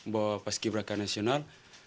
bahwa paski beraka nasional